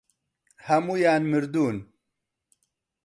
هەموویان مردوون.